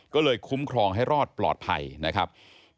ก็เลยคุ้มครองให้รอดปลอดภัยนะครับ